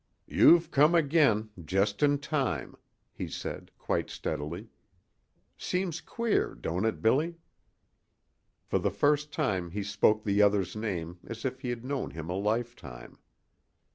"You've come again just in time," he said, quite steadily. "Seems queer, don't it, Billy?" For the first time he spoke the other's name as if he had known him a lifetime.